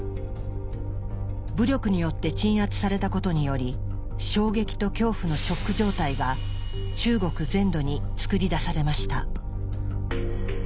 武力によって鎮圧されたことにより「衝撃と恐怖」のショック状態が中国全土に作り出されました。